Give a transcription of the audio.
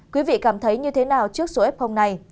quý vị cảm thấy như thế nào trước số f này